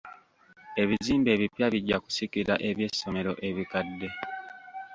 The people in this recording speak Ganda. Ebizimbe ebipya bijja kusikira eby'essomero ebikadde.